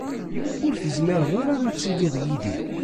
ur tezmireḍ ara ad tiliḍ yid-i.